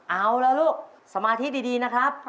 เอาล่ะลูกสมาธิดีนะครับ